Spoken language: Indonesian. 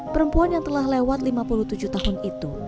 perempuan yang telah lewat lima puluh tujuh tahun itu